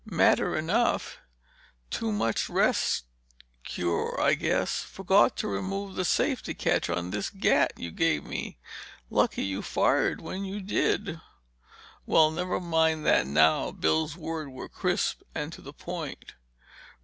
"Matter enough! Too much rest cure, I guess. Forgot to remove the safety catch on this gat you gave me. Lucky you fired when you did." "Well, never mind that now," Bill's words were crisp and to the point.